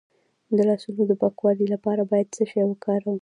د لاسونو د پاکوالي لپاره باید څه شی وکاروم؟